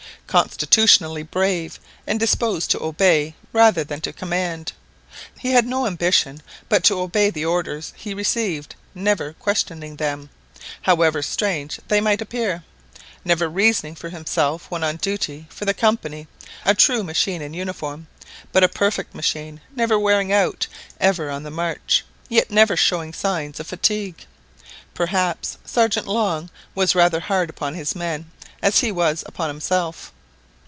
Constitutionally brave, and disposed to obey rather than to command. He had no ambition but to obey the orders he received never questioning them, however strange they might appear, never reasoning for himself when on duty for the Company a true machine in uniform; but a perfect machine, never wearing out; ever on the march, yet never showing signs of fatigue. Perhaps Sergeant Long was rather hard upon his men, as he was upon himself.